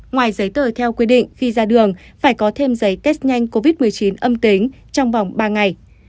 ngoài giấy tờ theo quy định khi ra đường phải có thêm giấy test nhanh covid một mươi chín âm tính trong vòng ba ngày